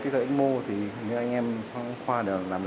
thì rồi bao giờ hết dịch bệnh